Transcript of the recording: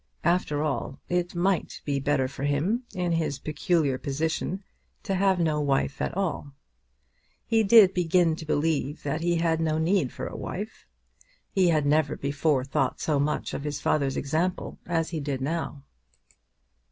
After all it might be better for him in his peculiar position to have no wife at all. He did begin to believe that he had no need for a wife. He had never before thought so much of his father's example as he did now.